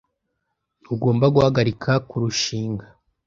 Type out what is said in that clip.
Ntugomba guhagarika kurushinga.